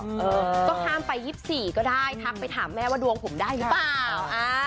เออก็ข้ามไป๒๔ก็ได้ทักไปถามแม่ว่าดวงผมได้หรือเปล่า